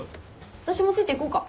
私もついていこうか？